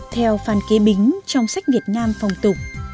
theo phan kế bính trong sách việt nam phòng tục